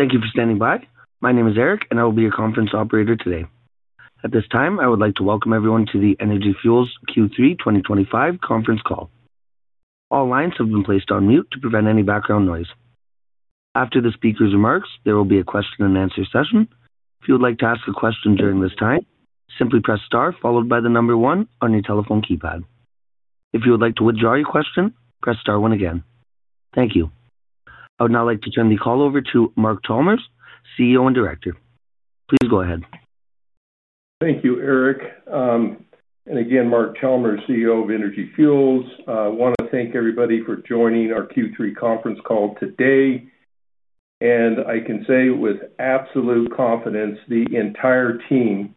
Thank you for standing by. My name is Eric, and I will be your conference operator today. At this time, I would like to welcome everyone to the Energy Fuels Q3 2025 conference call. All lines have been placed on mute to prevent any background noise. After the speaker's remarks, there will be a question-and-answer session. If you would like to ask a question during this time, simply press star followed by the number one on your telephone keypad. If you would like to withdraw your question, press star one again. Thank you. I would now like to turn the call over to Mark Chalmers, CEO and Director. Please go ahead. Thank you, Eric. And again, Mark Chalmers, CEO of Energy Fuels. I want to thank everybody for joining our Q3 conference call today. And I can say with absolute confidence the entire team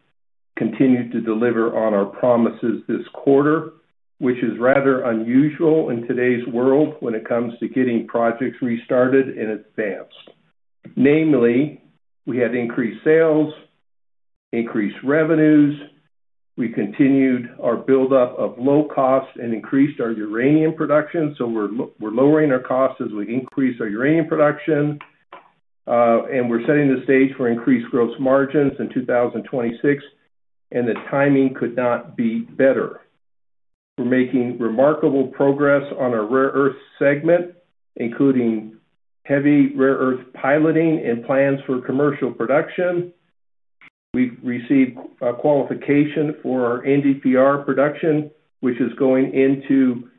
continued to deliver on our promises this quarter, which is rather unusual in today's world when it comes to getting projects restarted and advanced. Namely, we had increased sales. Increased revenues. We continued our buildup of low cost and increased our uranium production. So we're lowering our costs as we increase our uranium production. And we're setting the stage for increased gross margins in 2026, and the timing could not be better. We're making remarkable progress on our rare earth segment, including heavy rare earth piloting and plans for commercial production. We've received a qualification for our NdPr production, which is going into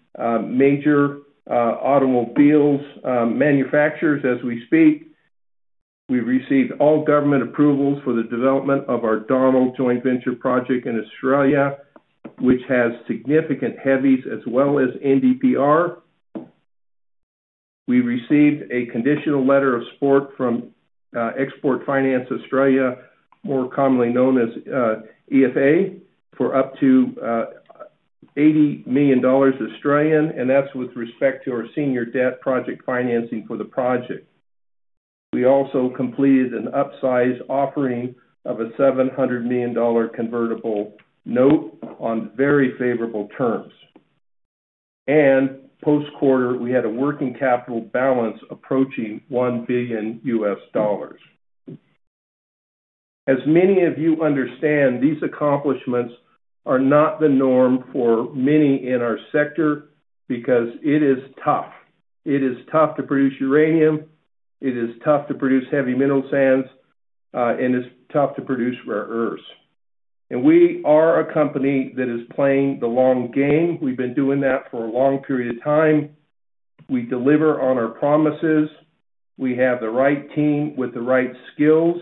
major automobile manufacturers as we speak. We've received all government approvals for the development of our Donald Joint Venture project in Australia, which has significant heavies as well as NdPr. We received a conditional letter of support from Export Finance Australia, more commonly known as EFA, for up to 80 million Australian dollars. And that's with respect to our senior debt project financing for the project. We also completed an upsize offering of a $700 million convertible note on very favorable terms. And post-quarter, we had a working capital balance approaching $1 billion. As many of you understand, these accomplishments are not the norm for many in our sector because it is tough. It is tough to produce uranium. It is tough to produce heavy mineral sands, and it's tough to produce rare earths. And we are a company that is playing the long game. We've been doing that for a long period of time. We deliver on our promises. We have the right team with the right skills.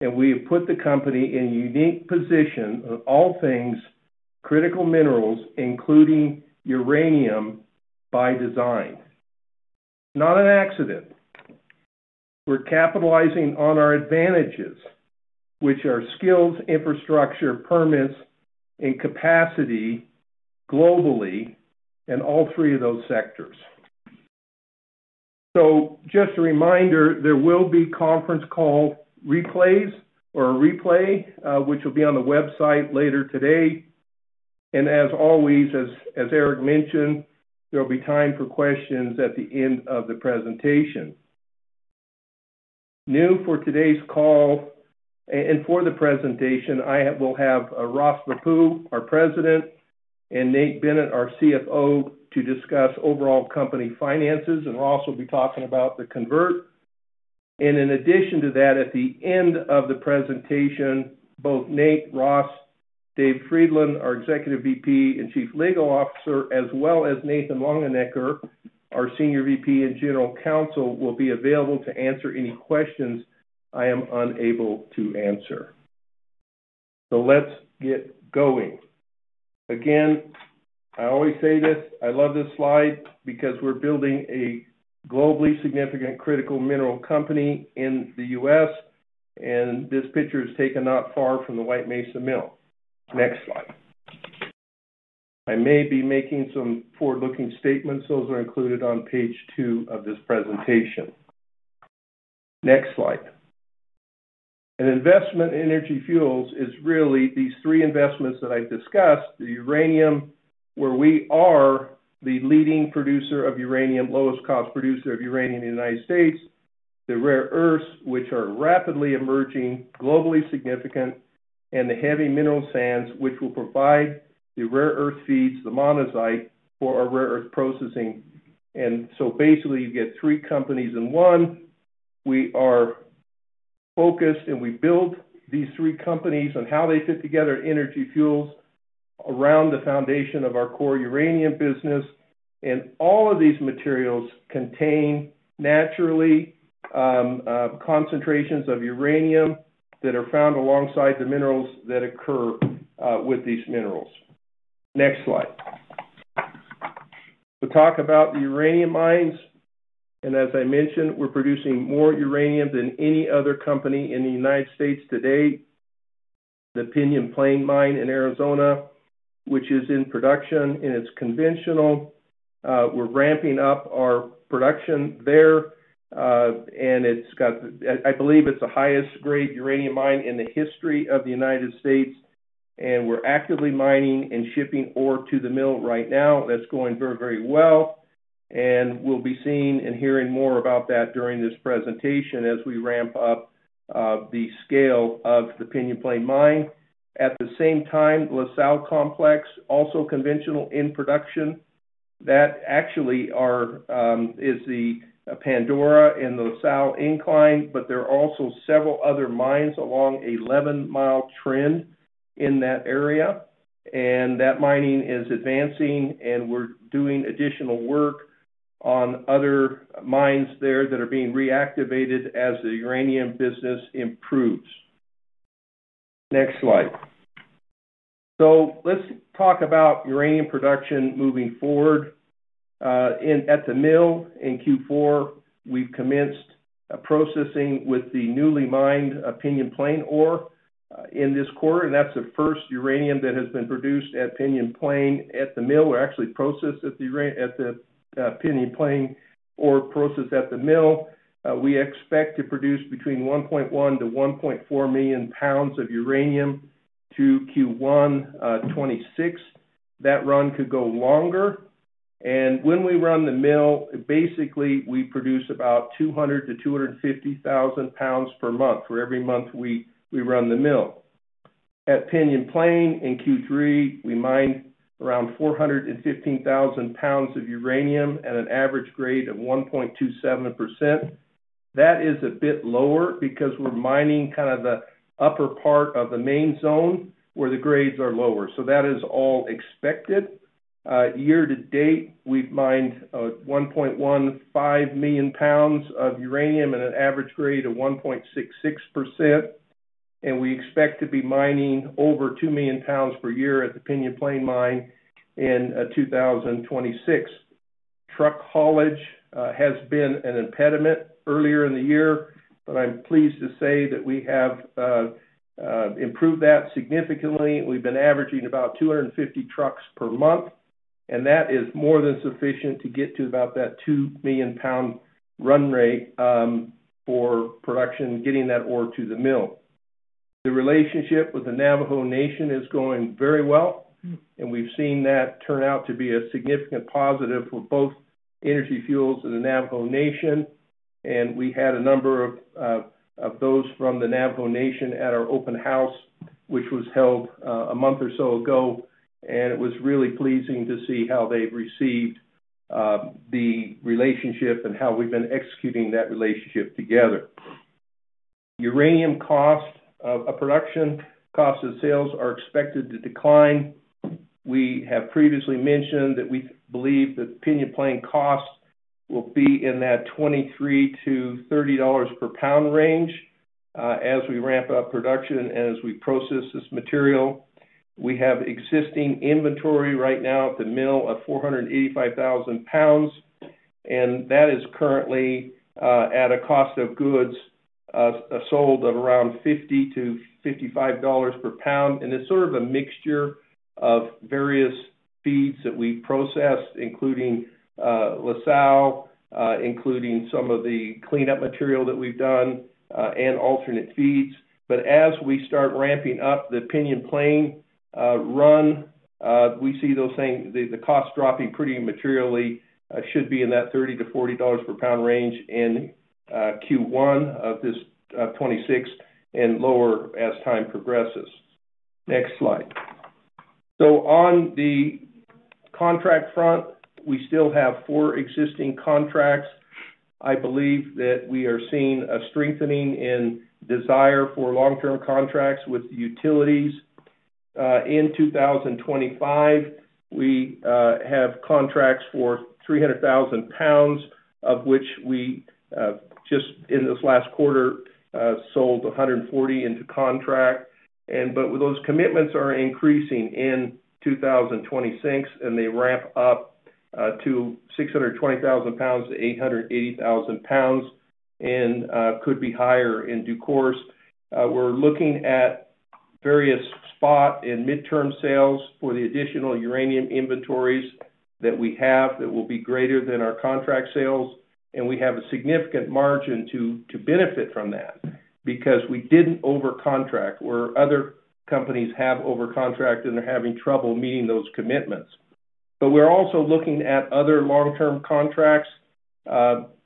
And we have put the company in a unique position in all things critical minerals, including uranium, by design. Not an accident. We're capitalizing on our advantages, which are skills, infrastructure, permits, and capacity globally in all three of those sectors. So just a reminder, there will be conference call replays or a replay, which will be on the website later today. And as always, as Eric mentioned, there'll be time for questions at the end of the presentation. New for today's call and for the presentation, I will have Ross Bhappu, our President. And Nate Bennett, our CFO, to discuss overall company finances. And Ross will be talking about the convert. And in addition to that, at the end of the presentation, both Nate, Ross, Dave Friedland, our Executive VP and Chief Legal Officer, as well as Nathan Longenecker, our Senior VP and General Counsel, will be available to answer any questions I am unable to answer. So let's get going. Again, I always say this. I love this slide because we're building a globally significant critical mineral company in the U.S., and this picture is taken not far from the White Mesa Mill. Next slide. I may be making some forward-looking statements. Those are included on page two of this presentation. Next slide. An investment in Energy Fuels is really these three investments that I've discussed: the uranium, where we are the leading producer of uranium, lowest cost producer of uranium in the United States; the rare earths, which are rapidly emerging, globally significant; and the heavy mineral sands, which will provide the rare earth feeds, the monazite, for our rare earth processing. And so basically, you get three companies in one. We are focused, and we build these three companies on how they fit together in Energy Fuels around the foundation of our core uranium business. And all of these materials contain naturally concentrations of uranium that are found alongside the minerals that occur with these minerals. Next slide. We'll talk about the uranium mines. And as I mentioned, we're producing more uranium than any other company in the United States today. The Pinyon Plain Mine in Arizona, which is in production and it's conventional. We're ramping up our production there, and it's got the—I believe it's the highest-grade uranium mine in the history of the United States. And we're actively mining and shipping ore to the mill right now. That's going very, very well. And we'll be seeing and hearing more about that during this presentation as we ramp up the scale of the Pinyon Plain Mine. At the same time, La Sal Complex, also conventional in production, that actually is our Pandora in the La Sal Complex, but there are also several other mines along an 11 mi trend in that area. And that mining is advancing, and we're doing additional work on other mines there that are being reactivated as the uranium business improves. Next slide. So let's talk about uranium production moving forward. In at the mill in Q4, we've commenced processing with the newly mined Pinyon Plain ore in this quarter. And that's the first uranium that has been produced at Pinyon Plain at the mill. We're actually processing the uranium from the Pinyon Plain ore at the mill. We expect to produce between 1.1 million lbs-1.4 million lbs of uranium to Q1 2026. That run could go longer. And when we run the mill, basically, we produce about 200,000 lbs-250,000 lbs per month for every month we run the mill. At Pinyon Plain in Q3, we mined around 415,000 lbs of uranium at an average grade of 1.27%. That is a bit lower because we're mining kind of the upper part of the main zone where the grades are lower. So that is all expected. Year to date, we've mined 1.15 million lbs of uranium at an average grade of 1.66%. We expect to be mining over 2 million lbs per year at the Pinyon Plain Mine in 2026. Truck haulage has been an impediment earlier in the year, but I'm pleased to say that we have improved that significantly. We've been averaging about $250 trucks per month, and that is more than sufficient to get to about that 2 million lbs run rate for production, getting that ore to the mill. The relationship with the Navajo Nation is going very well, and we've seen that turn out to be a significant positive for both Energy Fuels and the Navajo Nation. We had a number of those from the Navajo Nation at our open house, which was held a month or so ago. It was really pleasing to see how they've received the relationship and how we've been executing that relationship together. Uranium cost production cost of sales are expected to decline. We have previously mentioned that we believe that Pinyon Plain cost will be in that $23-$30 per pound range, as we ramp up production and as we process this material. We have existing inventory right now at the mill of 485,000 lbs, and that is currently at a cost of goods sold of around $50-$55 per pound. It's sort of a mixture of various feeds that we process, including La Sal, including some of the cleanup material that we've done, and alternate feeds. But as we start ramping up the Pinyon Plain run, we see those same the cost dropping pretty materially, should be in that $30-$40 per pound range in Q1 of 2026 and lower as time progresses. Next slide. So on the contract front, we still have four existing contracts. I believe that we are seeing a strengthening in desire for long-term contracts with utilities in 2025. We have contracts for 300,000 lbs, of which we just in this last quarter sold 140 into contract. And but those commitments are increasing in 2026, and they ramp up to 620,000 lbs-880,000 lbs and could be higher in due course. We're looking at various spot and midterm sales for the additional uranium inventories that we have that will be greater than our contract sales. We have a significant margin to benefit from that because we didn't overcontract where other companies have overcontracted, and they're having trouble meeting those commitments. But we're also looking at other long-term contracts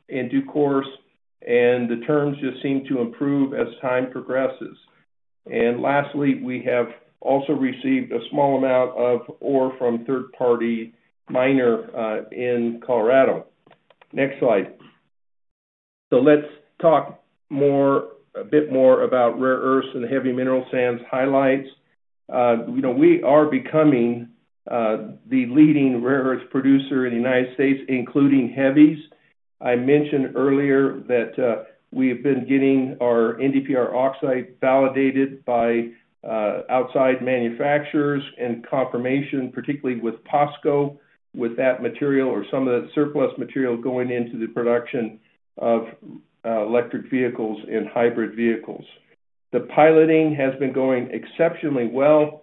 in due course, and the terms just seem to improve as time progresses. And lastly, we have also received a small amount of ore from third-party miner in Colorado. Next slide. So let's talk a bit more about rare earths and heavy mineral sands highlights. You know, we are becoming the leading rare earth producer in the United States, including heavies. I mentioned earlier that, we have been getting our NdPr oxide validated by, outside manufacturers and confirmation, particularly with POSCO, with that material or some of that surplus material going into the production of, electric vehicles and hybrid vehicles. The piloting has been going exceptionally well.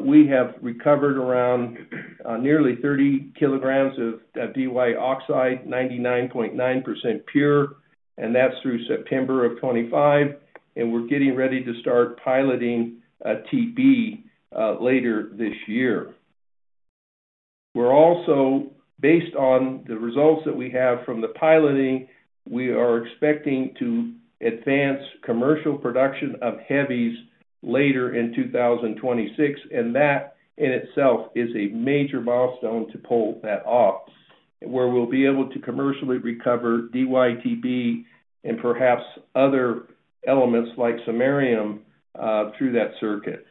We have recovered around, nearly 30 kg of DY oxide, 99.9% pure, and that's through September of 2025. We're getting ready to start piloting, TB, later this year. We're also, based on the results that we have from the piloting, we are expecting to advance commercial production of heavies later in 2026. That in itself is a major milestone to pull that off, where we'll be able to commercially recover DY, TB, and perhaps other elements like samarium, through that circuit.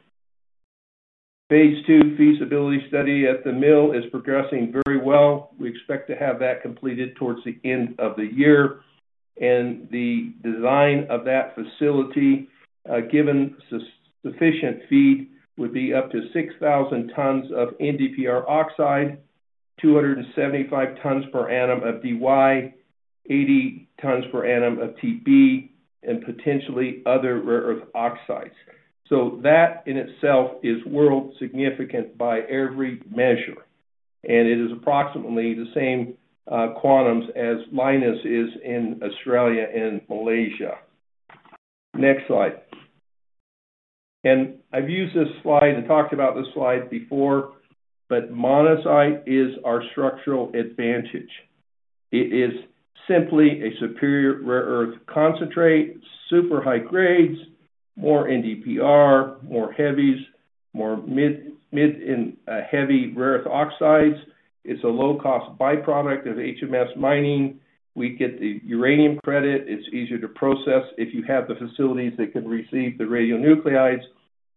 Phase two feasibility study at the mill is progressing very well. We expect to have that completed towards the end of the year. The design of that facility, given sufficient feed, would be up to 6,000 tons of NdPr oxide, 275 tons per annum of DY, 80 tons per annum of TB, and potentially other rare earth oxides. That in itself is world significant by every measure. It is approximately the same quantum as Lynas is in Australia and Malaysia. Next slide. I've used this slide and talked about this slide before, but monazite is our structural advantage. It is simply a superior rare earth concentrate, super high grades, more NdPr, more heavies, more mid- and heavy rare earth oxides. It's a low-cost byproduct of HMS mining. We get the uranium credit. It's easier to process if you have the facilities that can receive the radionuclides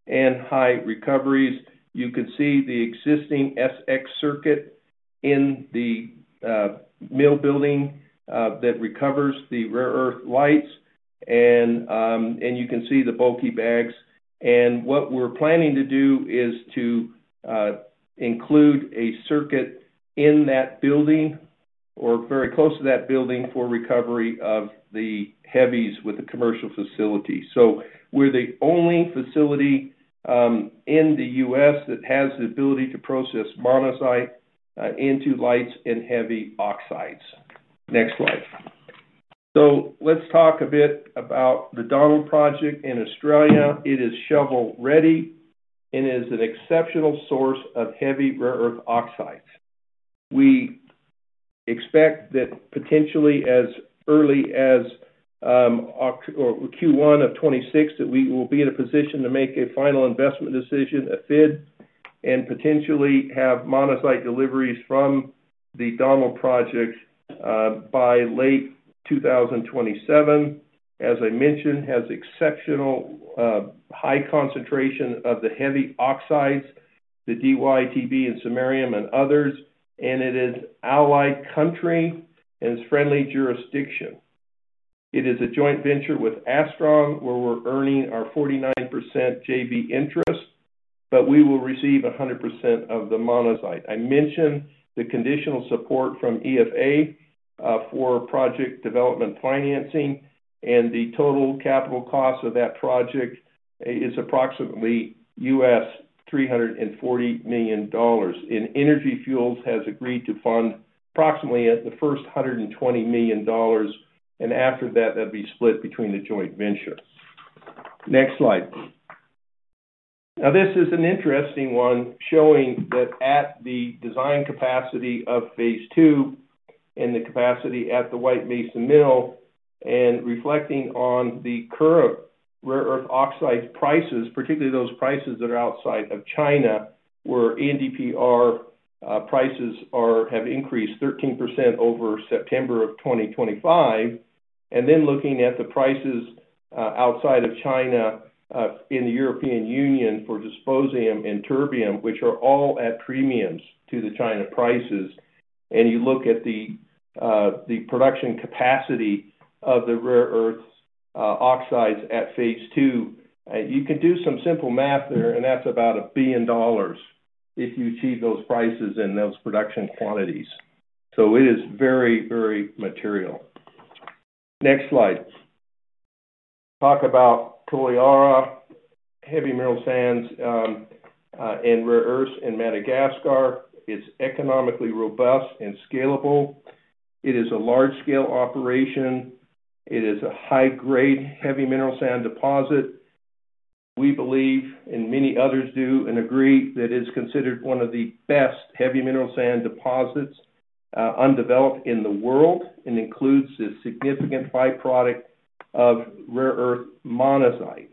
and high recoveries. You can see the existing SX circuit in the, mill building, that recovers the rare earth lights. You can see the bulky bags. What we're planning to do is to, include a circuit in that building or very close to that building for recovery of the heavies with the commercial facility. We're the only facility, in the U.S. that has the ability to process monazite, into lights and heavy oxides. Next slide. Let's talk a bit about the Donald Project in Australia. It is shovel-ready and is an exceptional source of heavy rare earth oxides. We expect that potentially as early as October or Q1 of 2026, that we will be in a position to make a final investment decision, a FID, and potentially have monazite deliveries from the Donald Project, by late 2027. As I mentioned, it has exceptional, high concentration of the heavy oxides, the DY, TB, and samarium and others. It is allied country and is friendly jurisdiction. It is a joint venture with Astron, where we're earning our 49% JV interest, but we will receive 100% of the monazite. I mentioned the conditional support from EFA, for project development financing. The total capital cost of that project, is approximately $340 million. Energy Fuels has agreed to fund approximately the first $120 million. And after that, that'd be split between the joint venture. Next slide. Now, this is an interesting one showing that at the design capacity of phase II and the capacity at the White Mesa Mill, and reflecting on the current rare earth oxide prices, particularly those prices that are outside of China, where NdPr prices have increased 13% over September of 2025. And then looking at the prices outside of China, in the European Union for dysprosium and terbium, which are all at premiums to the China prices. And you look at the production capacity of the rare earth oxides at phase II, you can do some simple math there, and that's about $1 billion if you achieve those prices and those production quantities. So it is very, very material. Next slide. Talk about Toliara, heavy mineral sands, and rare earths in Madagascar. It's economically robust and scalable. It is a large-scale operation. It is a high-grade heavy mineral sands deposit. We believe, and many others do and agree, that it is considered one of the best heavy mineral sands deposits, undeveloped in the world and includes a significant byproduct of rare earth monazite.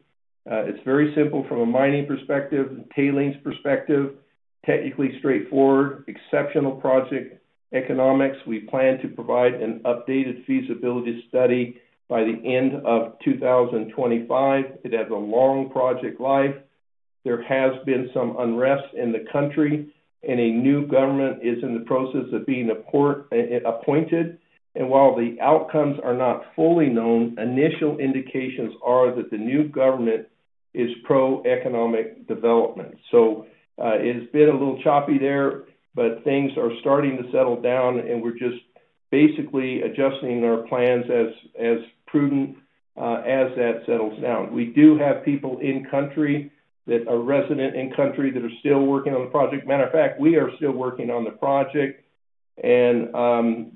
It's very simple from a mining perspective, a tailings perspective, technically straightforward, exceptional project economics. We plan to provide an updated feasibility study by the end of 2025. It has a long project life. There has been some unrest in the country, and a new government is in the process of being appointed. And while the outcomes are not fully known, initial indications are that the new government is pro-economic development. So, it's been a little choppy there, but things are starting to settle down, and we're just basically adjusting our plans as prudent, as that settles down. We do have people in country that are resident in country that are still working on the project. Matter of fact, we are still working on the project. And,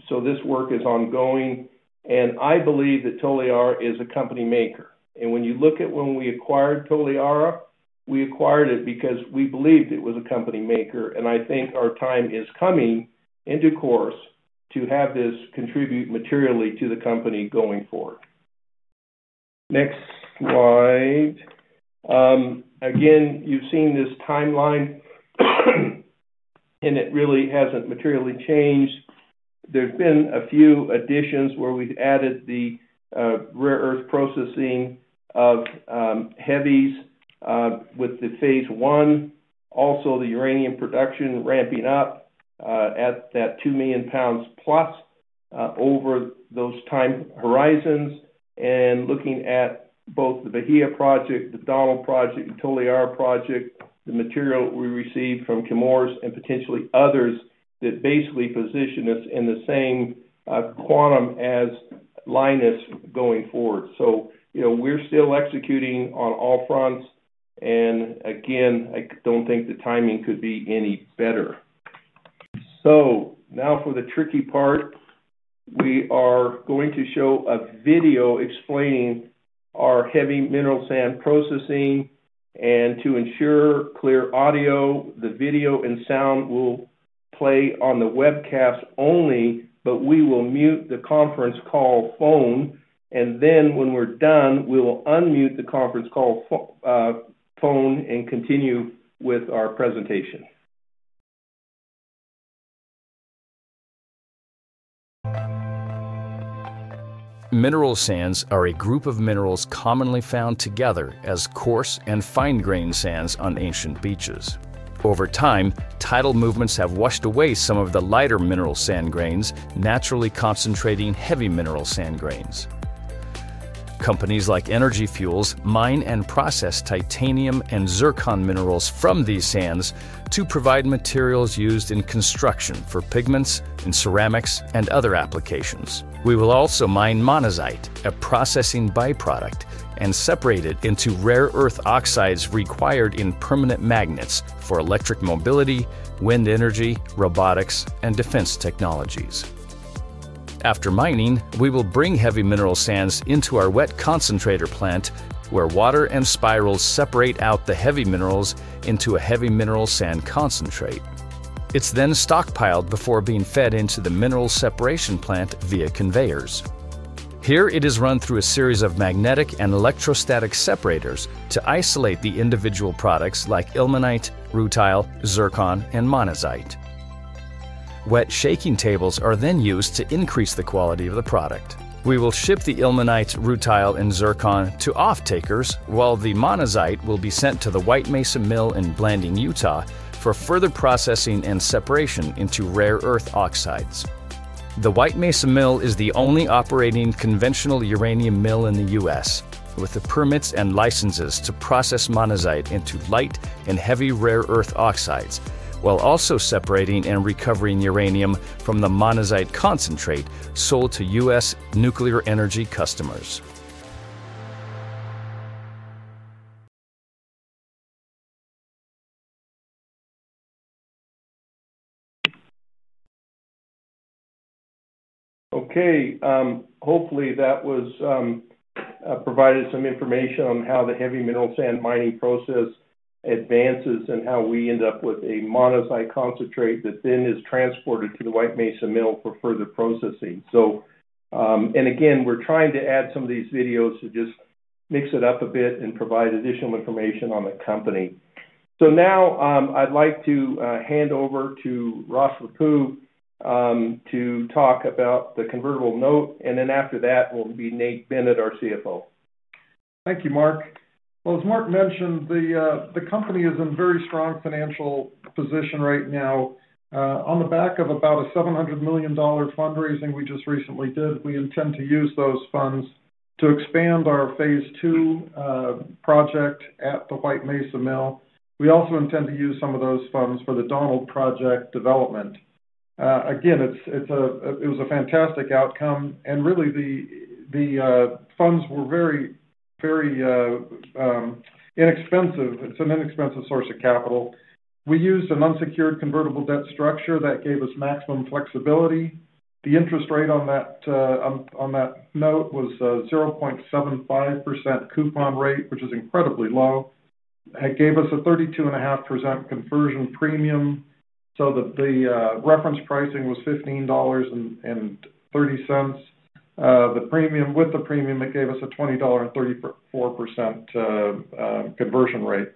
so this work is ongoing. And I believe that Toliara is a company maker. And when you look at when we acquired Toliara, we acquired it because we believed it was a company maker. And I think our time is coming into course to have this contribute materially to the company going forward. Next slide. Again, you've seen this timeline. And it really hasn't materially changed. There've been a few additions where we've added the rare earth processing of heavies with the phase one, also the uranium production ramping up at that 2 million bbls+ over those time horizons. And looking at both the Bahia Project, the Donald Project, and Toliara Project, the material we received from Chemours and potentially others that basically position us in the same quantum as Lynas going forward. So, you know, we're still executing on all fronts. And again, I don't think the timing could be any better. So now for the tricky part. We are going to show a video explaining our heavy mineral sands processing. To ensure clear audio, the video and sound will play on the webcast only, but we will mute the conference call phone. Then when we're done, we will unmute the conference call phone and continue with our presentation. Mineral sands are a group of minerals commonly found together as coarse and fine-grained sands on ancient beaches. Over time, tidal movements have washed away some of the lighter mineral sands grains, naturally concentrating heavy mineral sands grains. Companies like Energy Fuels mine and process titanium and zircon minerals from these sands to provide materials used in construction for pigments and ceramics and other applications. We will also mine monazite, a processing byproduct, and separate it into rare earth oxides required in permanent magnets for electric mobility, wind energy, robotics, and defense technologies. After mining, we will bring heavy mineral sands into our wet concentrator plant where water and spirals separate out the heavy minerals into a heavy mineral sands concentrate. It's then stockpiled before being fed into the mineral separation plant via conveyors. Here, it is run through a series of magnetic and electrostatic separators to isolate the individual products like ilmenite, rutile, zircon, and monazite. Wet shaking tables are then used to increase the quality of the product. We will ship the ilmenite, rutile, and zircon to off-takers, while the monazite will be sent to the White Mesa Mill in Blanding, Utah, for further processing and separation into rare earth oxides. The White Mesa Mill is the only operating conventional uranium mill in the U.S. with the permits and licenses to process monazite into light and heavy rare earth oxides, while also separating and recovering uranium from the monazite concentrate sold to U.S. nuclear energy customers. Okay, hopefully that provided some information on how the heavy mineral sands mining process advances and how we end up with a monazite concentrate that then is transported to the White Mesa Mill for further processing. So, and again, we're trying to add some of these videos to just mix it up a bit and provide additional information on the company. So now, I'd like to hand over to Ross Bhappu to talk about the convertible note. And then after that, we'll be Nate Bennett, our CFO. Thank you, Mark. Well, as Mark mentioned, the company is in very strong financial position right now. On the back of about a $700 million fundraising we just recently did, we intend to use those funds to expand our phase II project at the White Mesa Mill. We also intend to use some of those funds for the Donald Project development. Again, it was a fantastic outcome. And really, the funds were very inexpensive. It's an inexpensive source of capital. We used an unsecured convertible debt structure that gave us maximum flexibility. The interest rate on that note was a 0.75% coupon rate, which is incredibly low. It gave us a 32.5% conversion premium. So the reference pricing was $15.30. The premium with the premium it gave us a $20.34 conversion rate.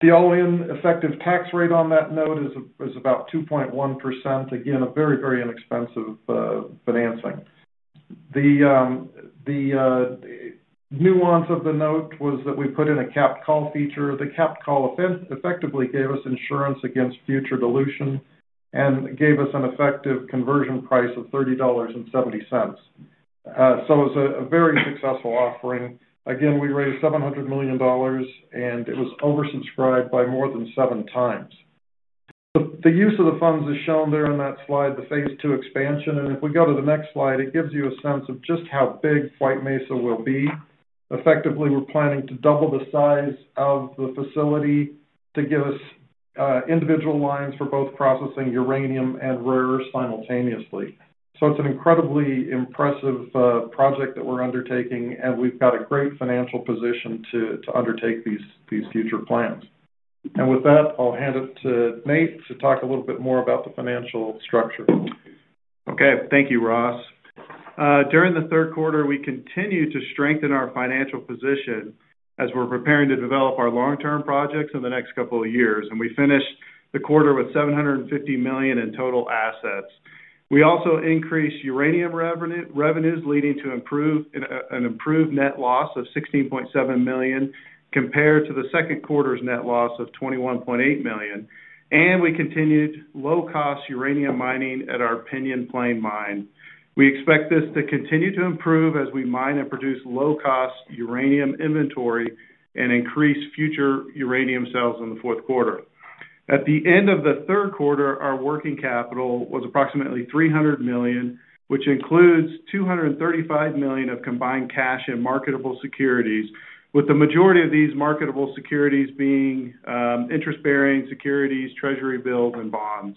The all-in effective tax rate on that note is about 2.1%. Again, a very, very inexpensive financing. The nuance of the note was that we put in a capped call feature. The capped call effectively gave us insurance against future dilution and gave us an effective conversion price of $30.70. So it was a very successful offering. Again, we raised $700 million, and it was oversubscribed by more than seven times. The use of the funds is shown there on that slide, the phase II expansion. If we go to the next slide, it gives you a sense of just how big White Mesa will be. Effectively, we're planning to double the size of the facility to give us individual lines for both processing uranium and rare earths simultaneously. So it's an incredibly impressive project that we're undertaking, and we've got a great financial position to undertake these future plans. With that, I'll hand it to Nate to talk a little bit more about the financial structure. Okay. Thank you, Ross. During the third quarter, we continue to strengthen our financial position as we're preparing to develop our long-term projects in the next couple of years. We finished the quarter with $750 million in total assets. We also increased uranium revenues leading to an improved net loss of $16.7 million compared to the second quarter's net loss of $21.8 million. We continued low-cost uranium mining at our Pinyon Plain mine. We expect this to continue to improve as we mine and produce low-cost uranium inventory and increase future uranium sales in the fourth quarter. At the end of the third quarter, our working capital was approximately $300 million, which includes $235 million of combined cash and marketable securities, with the majority of these marketable securities being interest-bearing securities, treasury bills, and bonds.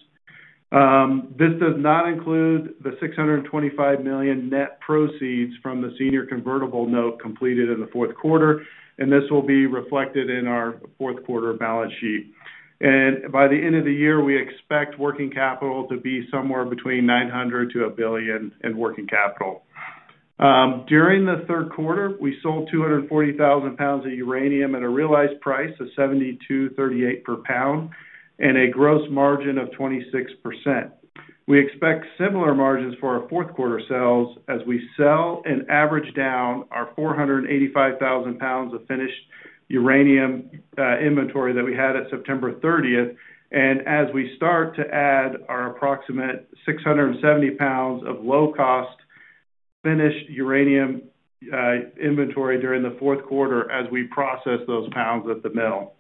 This does not include the $625 million net proceeds from the senior convertible note completed in the fourth quarter. This will be reflected in our fourth quarter balance sheet. By the end of the year, we expect working capital to be somewhere between $900 million-$1 billion in working capital. During the third quarter, we sold 240,000 lbs of uranium at a realized price of $72.38 per pound and a gross margin of 26%. We expect similar margins for our fourth quarter sales as we sell and average down our 485,000 lbs of finished uranium inventory that we had at September 30th. As we start to add our approximate 670 lbs of low-cost finished uranium inventory during the fourth quarter as we process those lbs at the mill.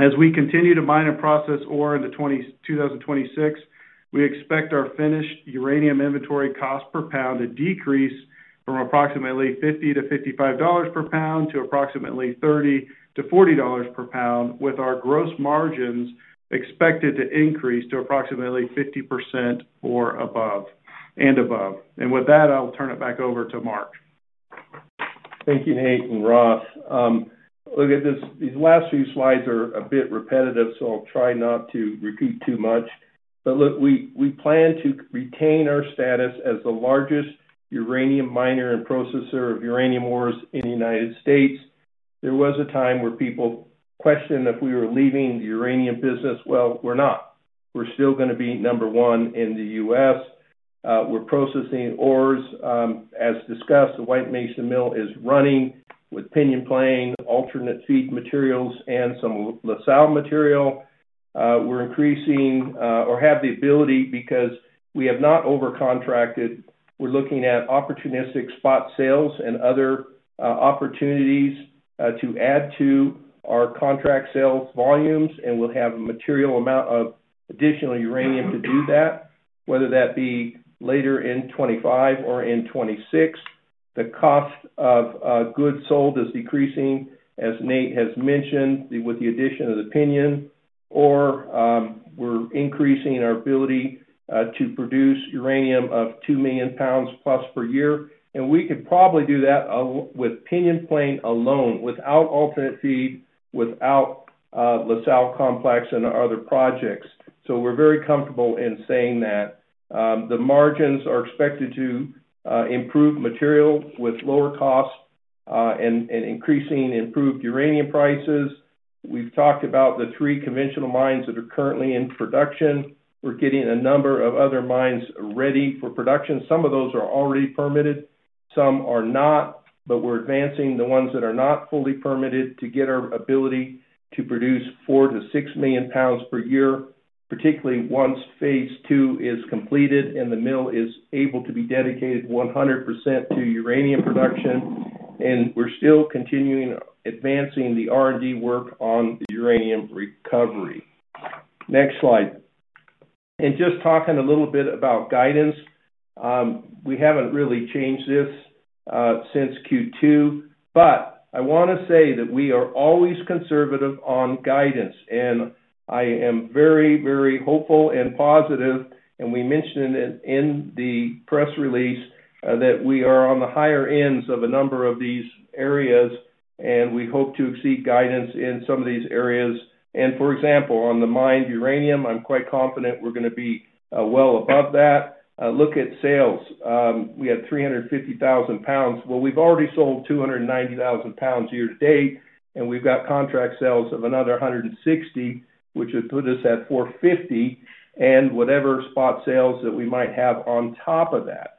As we continue to mine and process ore in 2026, we expect our finished uranium inventory cost per pound to decrease from approximately $50-$55 per pound to approximately $30-$40 per pound, with our gross margins expected to increase to approximately 50% or above and above. And with that, I'll turn it back over to Mark. Thank you, Nate and Ross. Look at this. These last few slides are a bit repetitive, so I'll try not to repeat too much. But look, we plan to retain our status as the largest uranium miner and processor of uranium ores in the United States. There was a time where people questioned if we were leaving the uranium business. Well, we're not. We're still going to be number one in the U.S. We're processing ores, as discussed. The White Mesa Mill is running with Pinyon Plain, alternate feed materials, and some La Sal material. We're increasing, or have the ability because we have not overcontracted. We're looking at opportunistic spot sales and other opportunities to add to our contract sales volumes. And we'll have a material amount of additional uranium to do that, whether that be later in 2025 or in 2026. The cost of goods sold is decreasing, as Nate has mentioned, with the addition of the Pinyon ore. We're increasing our ability to produce uranium of 2 million bbls+ per year. And we could probably do that with Pinyon Plain alone, without alternate feed, without La Sal Complex and other projects. So we're very comfortable in saying that the margins are expected to improve materially with lower cost and increasing improved uranium prices. We've talked about the three conventional mines that are currently in production. We're getting a number of other mines ready for production. Some of those are already permitted. Some are not, but we're advancing the ones that are not fully permitted to get our ability to produce 4 million lbs-6 million lbs per year, particularly once phase II is completed and the mill is able to be dedicated 100% to uranium production. And we're still continuing to advance the R&D work on uranium recovery. Next slide. And just talking a little bit about guidance, we haven't really changed this since Q2, but I want to say that we are always conservative on guidance. I am very, very hopeful and positive. And we mentioned in the press release that we are on the higher ends of a number of these areas, and we hope to exceed guidance in some of these areas. And for example, on the mined uranium, I'm quite confident we're going to be well above that. Look at sales. We had 350,000 lbs. Well, we've already sold 290,000 lbs year to date, and we've got contract sales of another 160,000 lbs, which would put us at 450,000 lbs and whatever spot sales that we might have on top of that.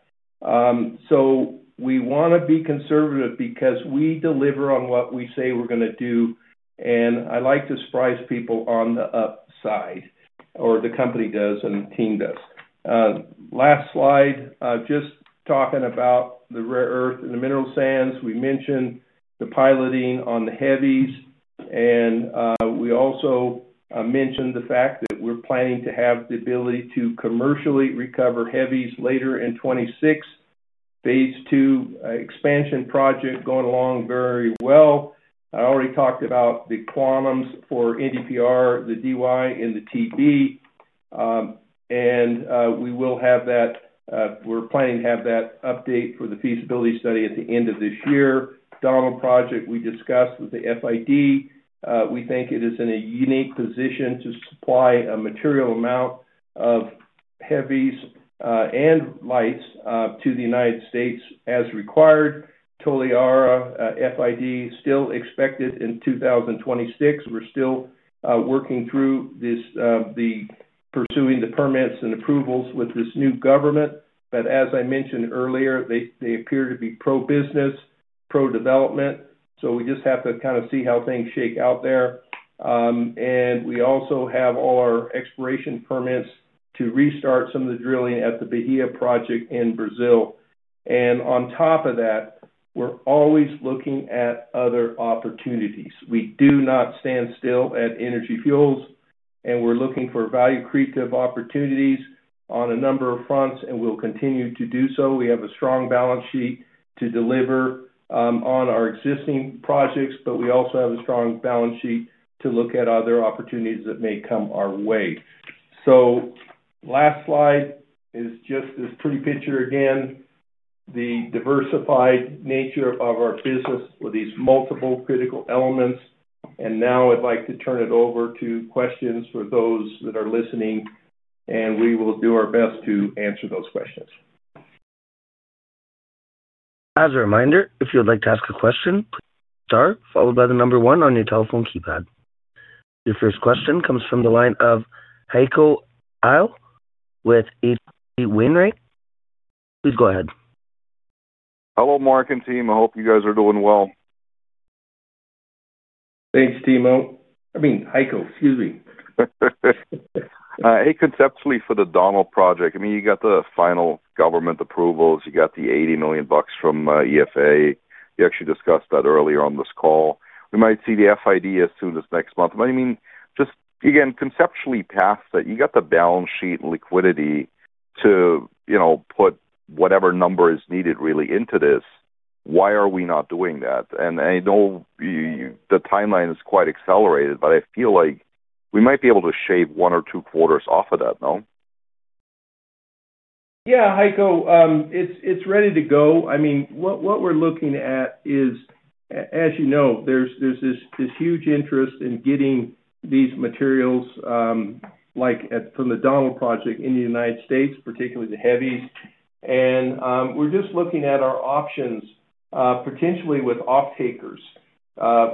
So we want to be conservative because we deliver on what we say we're going to do. And I like to surprise people on the upside or the company does and the team does. Last slide, just talking about the rare earth and the mineral sands. We mentioned the piloting on the heavies. And we also mentioned the fact that we're planning to have the ability to commercially recover heavies later in 2026. Phase II expansion project going along very well. I already talked about the quantums for NdPr, the DY, and the TB. And we will have that. We're planning to have that update for the feasibility study at the end of this year. Donald Project we discussed with the FID. We think it is in a unique position to supply a material amount of heavies and lights to the United States as required. Toliara, FID still expected in 2026. We're still working through this, pursuing the permits and approvals with this new government. But as I mentioned earlier, they appear to be pro-business, pro-development. So we just have to kind of see how things shake out there. And we also have all our exploration permits to restart some of the drilling at the Bahia Project in Brazil. And on top of that, we're always looking at other opportunities. We do not stand still at Energy Fuels, and we're looking for value creative opportunities on a number of fronts, and we'll continue to do so. We have a strong balance sheet to deliver on our existing projects, but we also have a strong balance sheet to look at other opportunities that may come our way. So. Last slide is just this pretty picture again, the diversified nature of our business with these multiple critical elements. And now I'd like to turn it over to questions for those that are listening, and we will do our best to answer those questions. As a reminder, if you'd like to ask a question, please start followed by the number one on your telephone keypad. Your first question comes from the line of Heiko Ihle with H. C. Wainwright. Please go ahead. Hello, Mark and team. I hope you guys are doing well. Thanks, Timo. I mean, Heiko, excuse me. Hey, conceptually for the Donald Project, I mean, you got the final government approvals. You got the 80 million bucks from EFA. You actually discussed that earlier on this call. We might see the FID as soon as next month. But I mean, just again, conceptually past that, you got the balance sheet and liquidity to, you know, put whatever number is needed really into this. Why are we not doing that? And I know you the timeline is quite accelerated, but I feel like we might be able to shave one or two quarters off of that, now. Yeah, Heiko. It's ready to go. I mean, what we're looking at is, as you know, there's this huge interest in getting these materials, like from the Donald Project in the United States, particularly the heavies. And we're just looking at our options, potentially with off-takers,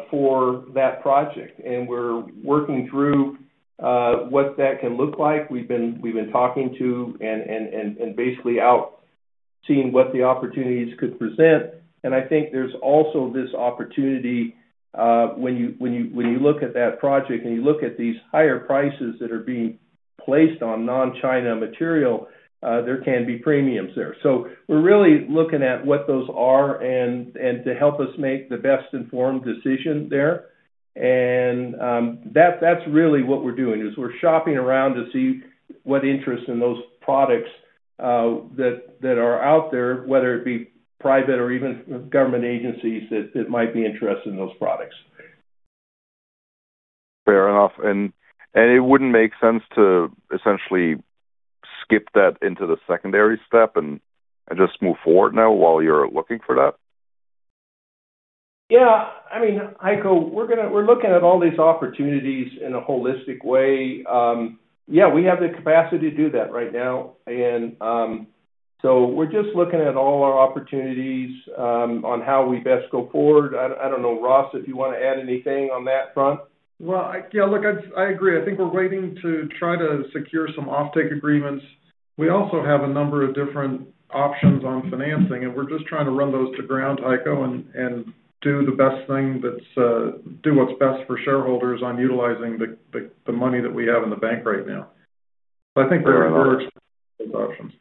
for that project. And we're working through what that can look like. We've been talking to and basically out seeing what the opportunities could present. And I think there's also this opportunity, when you look at that project and you look at these higher prices that are being placed on non-China material, there can be premiums there. So we're really looking at what those are and to help us make the best informed decision there. And that's really what we're doing is we're shopping around to see what interest in those products that are out there, whether it be private or even government agencies that might be interested in those products. Fair enough. And it wouldn't make sense to essentially skip that into the secondary step and just move forward now while you're looking for that? Yeah. I mean, Heiko, we're going to, we're looking at all these opportunities in a holistic way. Yeah, we have the capacity to do that right now. And so we're just looking at all our opportunities, on how we best go forward. I don't know, Ross, if you want to add anything on that front? Well, I, yeah, look, I agree. I think we're waiting to try to secure some off-take agreements. We also have a number of different options on financing, and we're just trying to run those to ground, Heiko, and do the best thing that's, do what's best for shareholders on utilizing the money that we have in the bank right now. So I think we're exploring those options.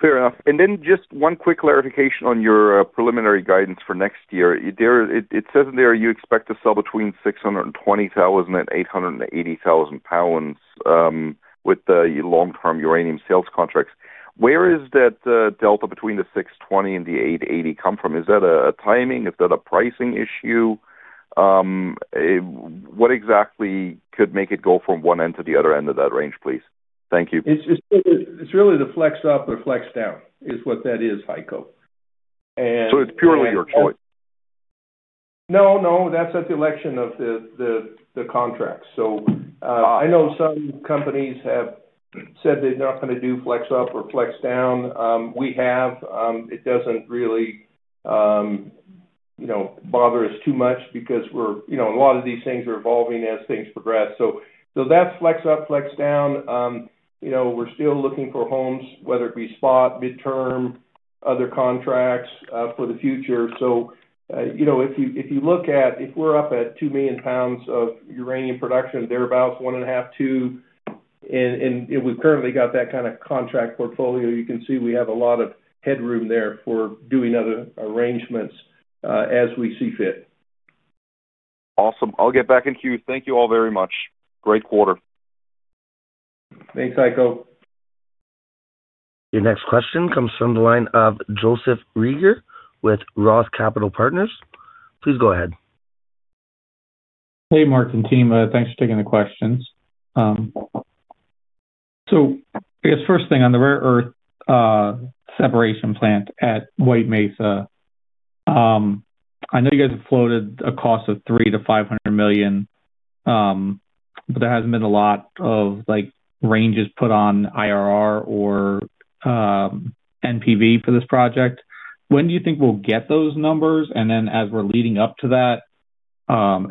Fair enough. And then just one quick clarification on your preliminary guidance for next year. There it says in there, you expect to sell between $620,000 and $880,000, with the long-term uranium sales contracts. Where is that delta between the $620,000 and the $880,000 come from? Is that a timing? Is that a pricing issue? What exactly could make it go from one end to the other end of that range, please? Thank you. It's really the flex up or flex down is what that is, Heiko. So it's purely your choice. No, no. That's at the election of the contracts. So I know some companies have said they're not going to do flex up or flex down. We have. It doesn't really, you know, bother us too much because we're, you know, a lot of these things are evolving as things progress. So that's flex up, flex down. You know, we're still looking for homes, whether it be spot, midterm, other contracts, for the future. So, you know, if you look at if we're up at $2 million of uranium production, thereabouts one and a half, two. And we've currently got that kind of contract portfolio. You can see we have a lot of headroom there for doing other arrangements, as we see fit. Awesome. I'll get back in queue. Thank you all very much. Great quarter. Thanks, Heiko. Your next question comes from the line of Joseph Reagor with ROTH Capital Partners. Please go ahead. Hey, Mark and team. Thanks for taking the questions. So I guess first thing on the rare earth separation plant at White Mesa. I know you guys have floated a cost of $300,000-$500,000, but there hasn't been a lot of, like, ranges put on IRR or NPV for this project. When do you think we'll get those numbers? And then as we're leading up to that,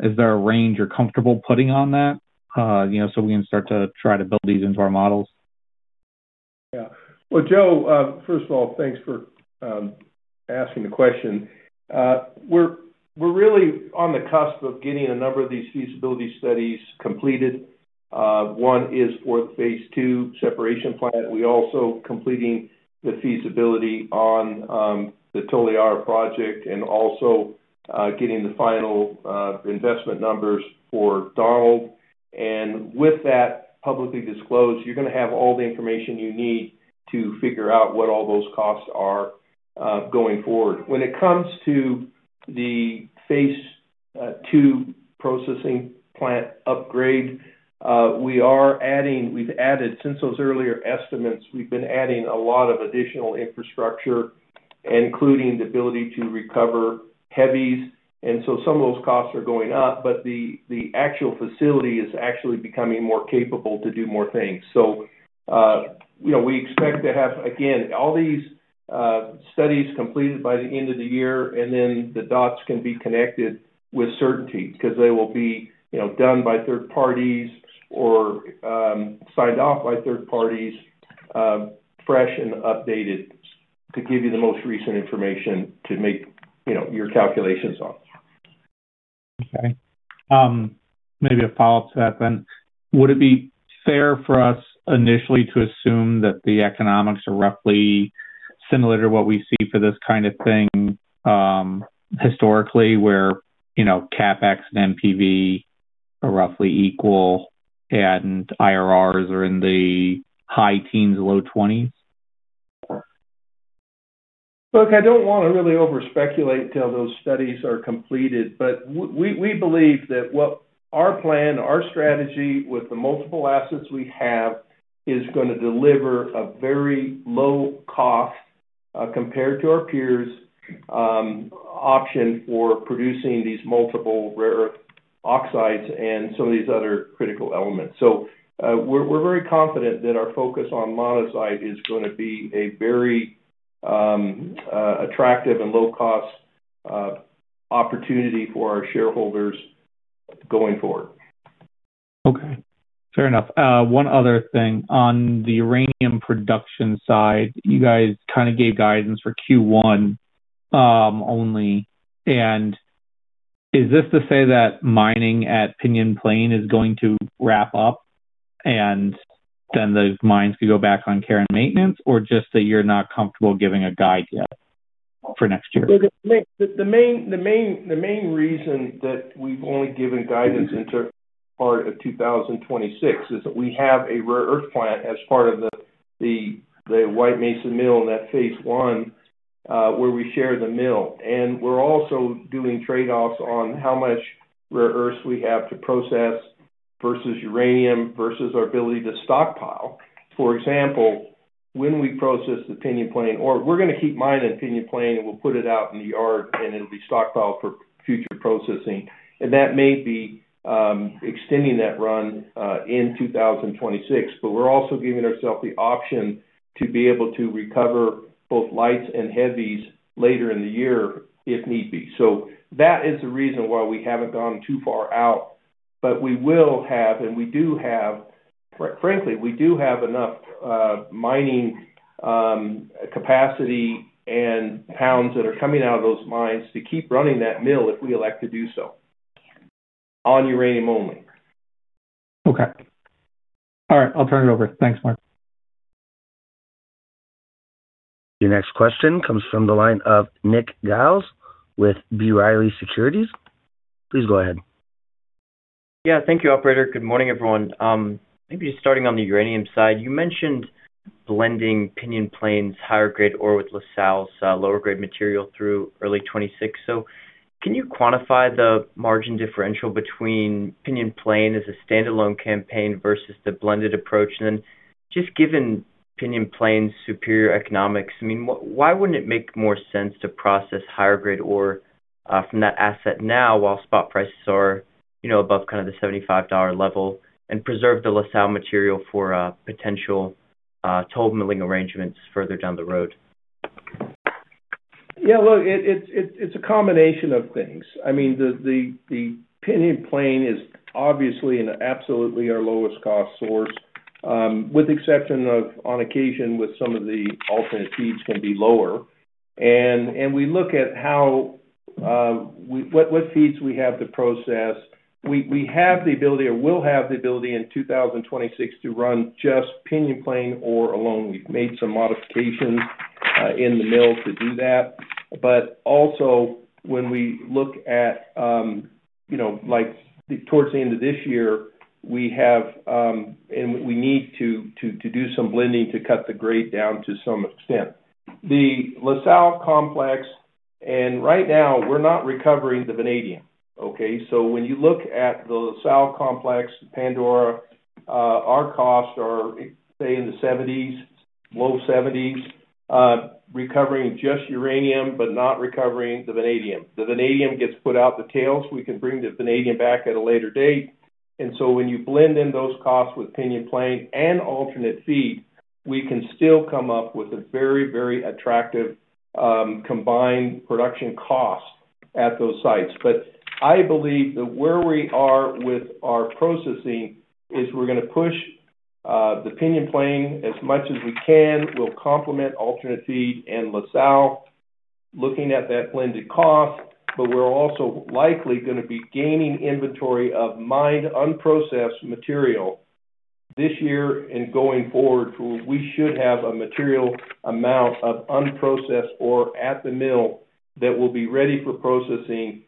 is there a range you're comfortable putting on that, you know, so we can start to try to build these into our models? Yeah. Well, Joe, first of all, thanks for asking the question. We're really on the cusp of getting a number of these feasibility studies completed. One is for the phase II separation plant. We're also completing the feasibility on the Toliara Project and also getting the final investment numbers for Donald. And with that publicly disclosed, you're going to have all the information you need to figure out what all those costs are, going forward. When it comes to the phase II processing plant upgrade, we are adding. We've added since those earlier estimates. We've been adding a lot of additional infrastructure, including the ability to recover heavies. And so some of those costs are going up, but the actual facility is actually becoming more capable to do more things. So, you know, we expect to have, again, all these studies completed by the end of the year, and then the dots can be connected with certainty because they will be, you know, done by third parties or signed off by third parties, fresh and updated to give you the most recent information to make, you know, your calculations on. Okay. Maybe a follow-up to that then. Would it be fair for us initially to assume that the economics are roughly similar to what we see for this kind of thing, historically, where, you know, CapEx and NPV are roughly equal and IRRs are in the high teens, low 20s? Look, I don't want to really over-speculate until those studies are completed, but we believe that what our plan, our strategy with the multiple assets we have is going to deliver a very low cost, compared to our peers, option for producing these multiple rare earth oxides and some of these other critical elements. So, we're very confident that our focus on monazite is going to be a very attractive and low-cost opportunity for our shareholders going forward. Okay. Fair enough. One other thing. On the uranium production side, you guys kind of gave guidance for Q1 only. Is this to say that mining at Pinyon Plain is going to wrap up and then the mines could go back on care and maintenance, or just that you're not comfortable giving a guide yet for next year? Look, the main reason that we've only given guidance until part of 2026 is that we have a rare earth plant as part of the White Mesa Mill in that phase one, where we share the mill. And we're also doing trade-offs on how much rare earth we have to process versus uranium versus our ability to stockpile. For example, when we process the Pinyon Plain, or we're going to keep mining in Pinyon Plain and we'll put it out in the yard and it'll be stockpiled for future processing. And that may be extending that run in 2026, but we're also giving ourselves the option to be able to recover both lights and heavies later in the year if need be. So that is the reason why we haven't gone too far out, but we will have, and we do have, frankly, we do have enough mining capacity and lbs that are coming out of those mines to keep running that mill if we elect to do so on uranium only. Okay. All right. I'll turn it over. Thanks, Mark. Your next question comes from the line of Nick Giles with B. Riley Securities. Please go ahead. Yeah. Thank you, Operator. Good morning, everyone. Maybe just starting on the uranium side, you mentioned blending Pinyon Plain's higher grade ore with La Sal's lower grade material through early 2026. So can you quantify the margin differential between Pinyon Plain as a standalone campaign versus the blended approach? And then just given Pinyon Plain's superior economics, I mean, what, why wouldn't it make more sense to process higher grade ore from that asset now while spot prices are, you know, above kind of the $75 level and preserve the La Sal material for potential toll milling arrangements further down the road? Yeah. Well, it's a combination of things. I mean, the Pinyon Plain is obviously and absolutely our lowest cost source, with the exception of on occasion with some of the alternate feeds can be lower. And we look at how we what feeds we have to process. We have the ability or will have the ability in 2026 to run just Pinyon Plain ore alone. We've made some modifications in the mill to do that. But also when we look at, you know, like towards the end of this year, we have and we need to do some blending to cut the grade down to some extent. The La Sal Complex, and right now we're not recovering the vanadium, okay? So when you look at the La Sal complex, Pandora, our costs are say in the seventies, low seventies, recovering just uranium, but not recovering the vanadium. The vanadium gets put out the tails. We can bring the vanadium back at a later date. So when you blend in those costs with Pinyon Plain and alternate feed, we can still come up with a very, very attractive, combined production cost at those sites. But I believe that where we are with our processing is we're going to push the Pinyon Plain as much as we can. We'll complement alternate feed and La Sal looking at that blended cost, but we're also likely going to be gaining inventory of mined unprocessed material. This year and going forward, we should have a material amount of unprocessed ore at the mill that will be ready for processing,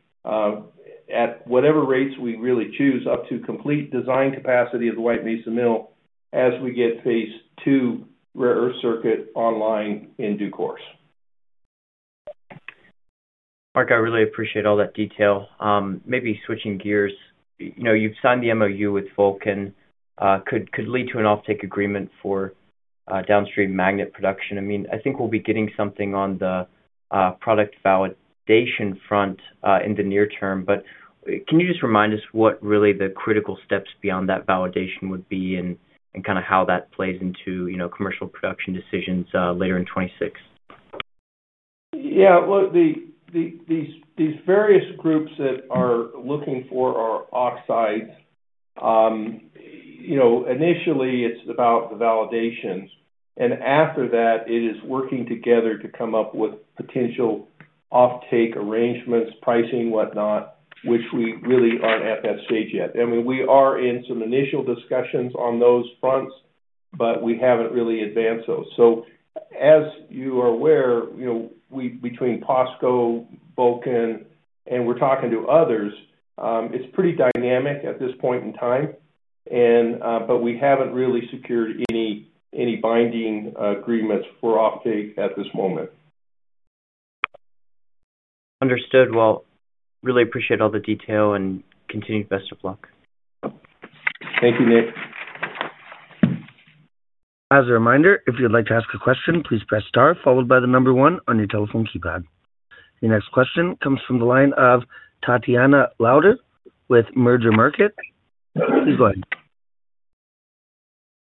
at whatever rates we really choose up to complete design capacity of the White Mesa Mill as we get phase II rare earth circuit online in due course. Mark, I really appreciate all that detail. Maybe switching gears, you know, you've signed the MoU with Vulcan, could lead to an off-take agreement for downstream magnet production. I mean, I think we'll be getting something on the product validation front, in the near term. But can you just remind us what really the critical steps beyond that validation would be and kind of how that plays into, you know, commercial production decisions, later in 2026? Yeah. Well, these various groups that are looking for our oxides, you know, initially it's about the validation. And after that, it is working together to come up with potential offtake arrangements, pricing, whatnot, which we really aren't at that stage yet. I mean, we are in some initial discussions on those fronts, but we haven't really advanced those. So as you are aware, you know, we between POSCO, Vulcan, and we're talking to others, it's pretty dynamic at this point in time. But we haven't really secured any binding agreements for offtake at this moment. Understood. Well, really appreciate all the detail and continued best of luck. Thank you, Nick. As a reminder, if you'd like to ask a question, please press star followed by the number one on your telephone keypad. Your next question comes from the line of Tatiana Lauder with Merger Markets. Please go ahead.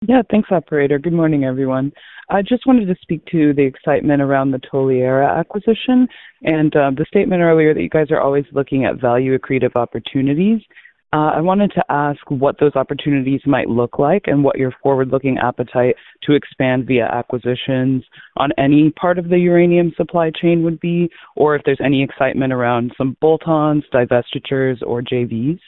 Yeah. Thanks, operator. Good morning, everyone. I just wanted to speak to the excitement around the Toliara acquisition and the statement earlier that you guys are always looking at value accretive opportunities. I wanted to ask what those opportunities might look like and what your forward-looking appetite to expand via acquisitions on any part of the uranium supply chain would be, or if there's any excitement around some bolt-ons, divestitures, or JVs?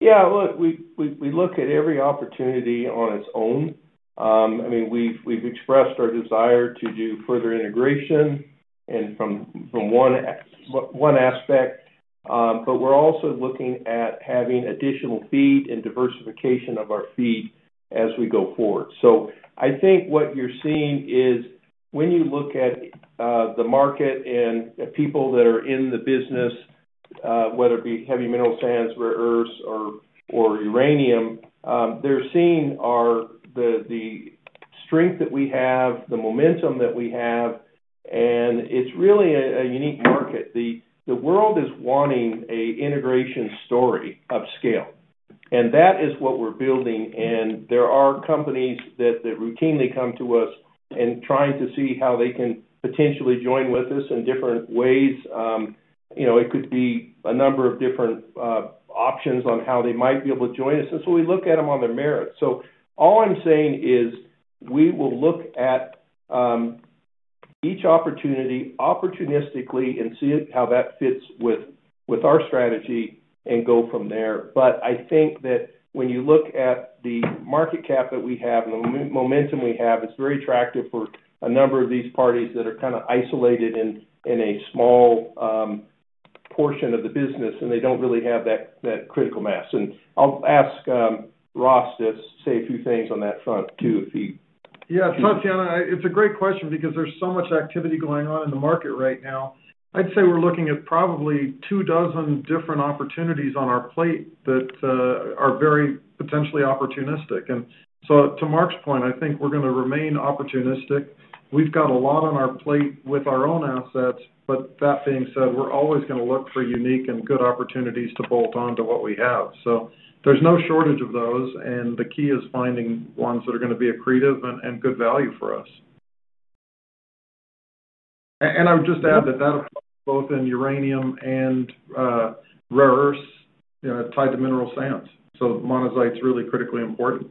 Yeah. Look, we look at every opportunity on its own. I mean, we've expressed our desire to do further integration and from one aspect, but we're also looking at having additional feed and diversification of our feed as we go forward. So I think what you're seeing is when you look at the market and people that are in the business, whether it be heavy mineral sands, rare earths, or uranium, they're seeing the strength that we have, the momentum that we have, and it's really a unique market. The world is wanting an integration story of scale. And that is what we're building. And there are companies that routinely come to us and trying to see how they can potentially join with us in different ways. You know, it could be a number of different options on how they might be able to join us. And so we look at them on their merits. So all I'm saying is we will look at each opportunity opportunistically and see how that fits with our strategy and go from there. But I think that when you look at the market cap that we have and the momentum we have, it's very attractive for a number of these parties that are kind of isolated in a small portion of the business, and they don't really have that critical mass. And I'll ask Ross to say a few things on that front too, if he. Yeah. Tatiana, it's a great question because there's so much activity going on in the market right now. I'd say we're looking at probably two dozen different opportunities on our plate that are very potentially opportunistic. And so to Mark's point, I think we're going to remain opportunistic. We've got a lot on our plate with our own assets, but that being said, we're always going to look for unique and good opportunities to bolt on to what we have. So there's no shortage of those. And the key is finding ones that are going to be accretive and good value for us. And I would just add that that applies both in uranium and rare earths, you know, tied to heavy mineral sands. So monazite's really critically important.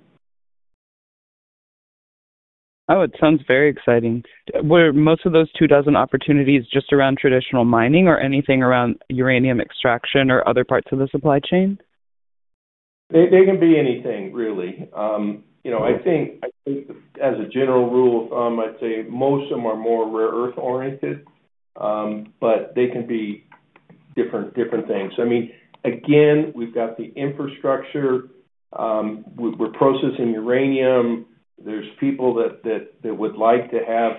Oh, it sounds very exciting. Are most of those two dozen opportunities just around traditional mining or anything around uranium extraction or other parts of the supply chain? They can be anything, really. You know, I think as a general rule of thumb, I'd say most of them are more rare earth oriented, but they can be different things. I mean, again, we've got the infrastructure. We're processing uranium. There's people that would like to have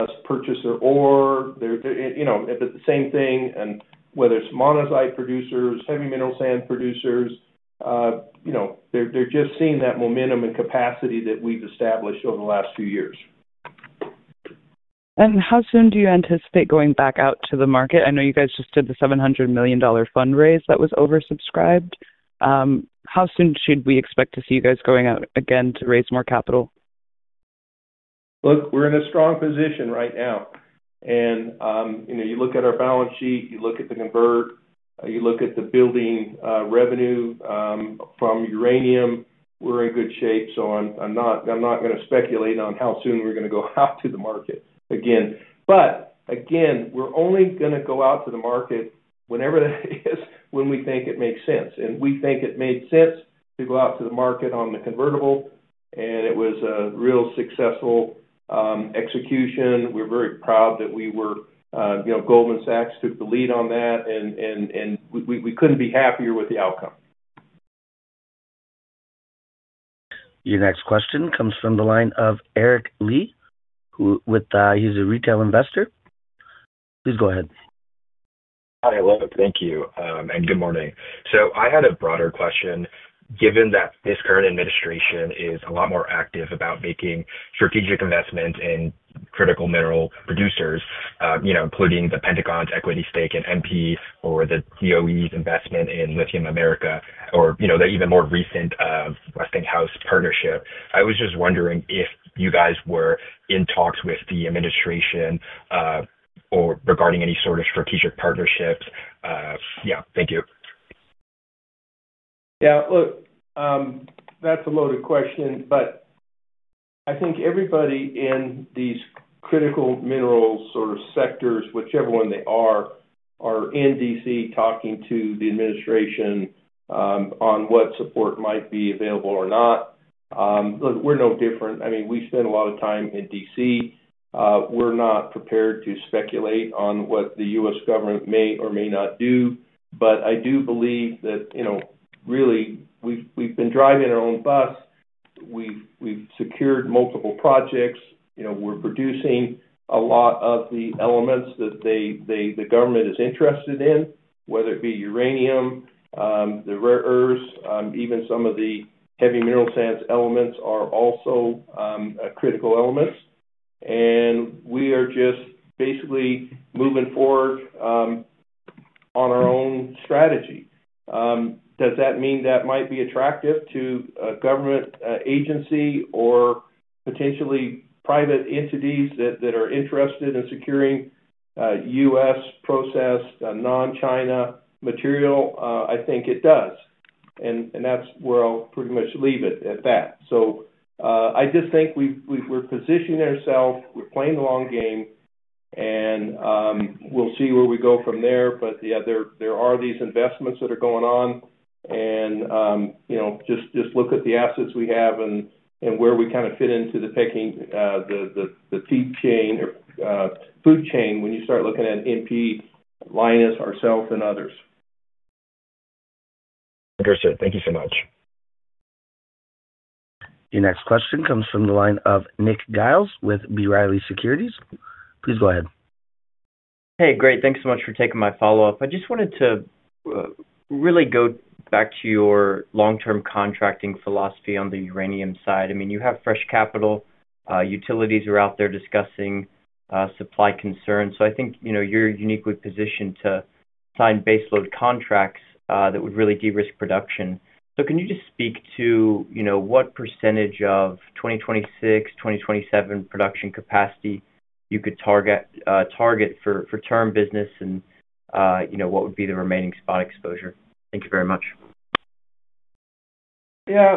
us purchase their ore. They're, you know, the same thing. And whether it's monazite producers, heavy mineral sands producers, you know, they're just seeing that momentum and capacity that we've established over the last few years. And how soon do you anticipate going back out to the market? I know you guys just did the $700 million fundraise that was oversubscribed. How soon should we expect to see you guys going out again to raise more capital? Look, we're in a strong position right now. And, you know, you look at our balance sheet, you look at the convert, you look at the building revenue from uranium, we're in good shape. So I'm, I'm not, I'm not going to speculate on how soon we're going to go out to the market again. But again, we're only going to go out to the market whenever that is, when we think it makes sense. And we think it made sense to go out to the market on the convertible. And it was a real successful execution. We're very proud that we were, you know, Goldman Sachs took the lead on that. And, and, and we, we, we couldn't be happier with the outcome. Your next question comes from the line of Eric Lee, who with, he's a retail investor. Please go ahead. Hi, Oliver. Thank you. And good morning. So I had a broader question. Given that this current administration is a lot more active about making strategic investment in critical mineral producers, you know, including the Pentagon's equity stake in MP or the DOE's investment in Lithium America or, you know, the even more recent Westinghouse partnership, I was just wondering if you guys were in talks with the administration, or regarding any sort of strategic partnerships? Yeah. Thank you. Yeah. Look, that's a loaded question, but. I think everybody in these critical mineral sort of sectors, whichever one they are, are in D.C. talking to the administration, on what support might be available or not. Look, we're no different. I mean, we spend a lot of time in D.C. We're not prepared to speculate on what the U.S. government may or may not do. But I do believe that, you know, really we've, we've been driving our own bus. We've, we've secured multiple projects. You know, we're producing a lot of the elements that they, they, the government is interested in, whether it be uranium, the rare earths, even some of the heavy mineral sands elements are also critical elements. And we are just basically moving forward on our own strategy. Does that mean that might be attractive to a government agency or potentially private entities that, that are interested in securing U.S. processed, non-China material? I think it does. And, and that's where I'll pretty much leave it at that. So, I just think we've, we've we're positioning ourselves. We're playing the long game. And, we'll see where we go from there. But yeah, there, there are these investments that are going on. And, you know, just look at the assets we have and where we kind of fit into the pecking order, the feed chain or food chain when you start looking at MP Materials, Lynas, ourselves, and others. Understood. Thank you so much. Your next question comes from the line of Nick Giles with B. Riley Securities. Please go ahead. Hey, great. Thanks so much for taking my follow-up. I just wanted to really go back to your long-term contracting philosophy on the uranium side. I mean, you have fresh capital. Utilities are out there discussing supply concerns. So I think, you know, you're uniquely positioned to sign baseload contracts that would really de-risk production. So can you just speak to, you know, what percentage of 2026, 2027 production capacity you could target for term business and, you know, what would be the remaining spot exposure? Thank you very much. Yeah.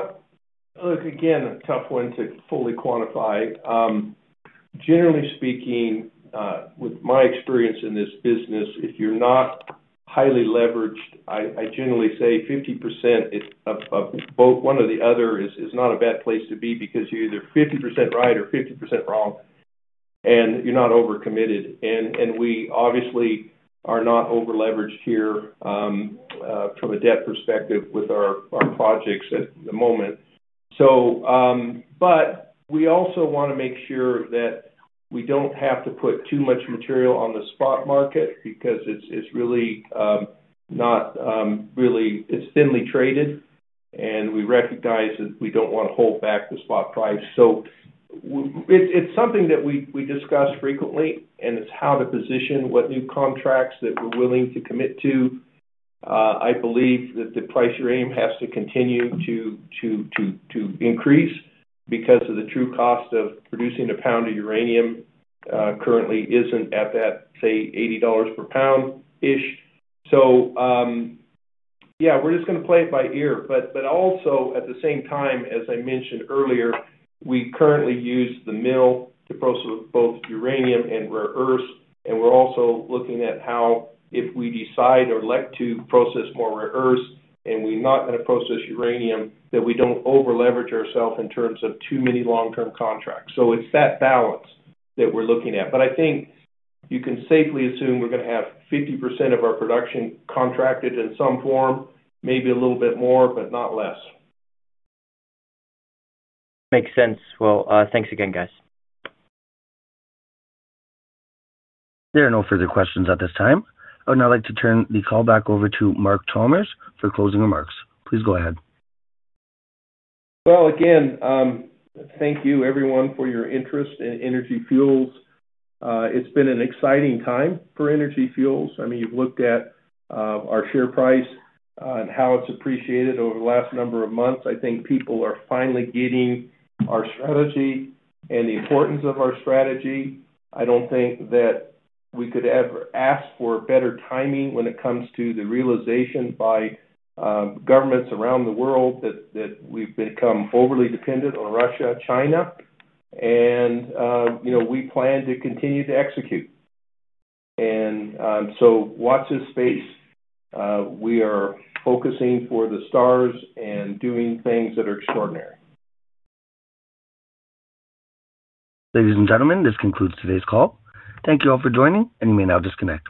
Look, again, a tough one to fully quantify. Generally speaking, with my experience in this business, if you're not highly leveraged, I generally say 50% is of both one or the other is not a bad place to be because you're either 50% right or 50% wrong. And you're not overcommitted. And we obviously are not overleveraged here, from a debt perspective with our projects at the moment. So, but we also want to make sure that we don't have to put too much material on the spot market because it's really not really it's thinly traded. And we recognize that we don't want to hold back the spot price. So. It's something that we discuss frequently, and it's how to position what new contracts that we're willing to commit to. I believe that the price of uranium has to continue to increase because of the true cost of producing a pound of uranium currently isn't at that, say, $80 per pound-ish. So, yeah, we're just going to play it by ear. But also at the same time, as I mentioned earlier, we currently use the mill to process both uranium and rare earths. And we're also looking at how if we decide or elect to process more rare earths and we're not going to process uranium, that we don't overleverage ourselves in terms of too many long-term contracts. So it's that balance that we're looking at. But I think you can safely assume we're going to have 50% of our production contracted in some form, maybe a little bit more, but not less. Makes sense. Well, thanks again, guys. There are no further questions at this time. I would now like to turn the call back over to Mark Chalmers for closing remarks. Please go ahead. Again, thank you, everyone, for your interest in Energy Fuels. It's been an exciting time for Energy Fuels. I mean, you've looked at our share price, and how it's appreciated over the last number of months. I think people are finally getting our strategy and the importance of our strategy. I don't think that we could ever ask for better timing when it comes to the realization by governments around the world that, that we've become overly dependent on Russia, China. And, you know, we plan to continue to execute. And, so watch this space. We are focusing for the stars and doing things that are extraordinary. Ladies and gentlemen, this concludes today's call. Thank you all for joining, and you may now disconnect.